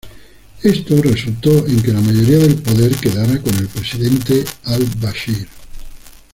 Esto resultó en que la mayoría del poder quedara con el presidente al-Bashir.